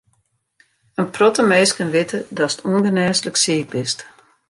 In protte minsken witte datst ûngenêslik siik bist.